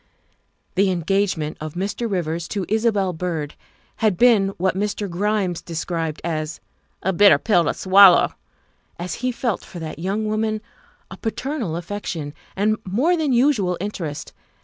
The engagement of Mr. Rivers to Isabel Byrd had been what Mr. Grimes described as " a bitter pill to swallow," as he felt for that young woman a paternal affection and more than usual interest.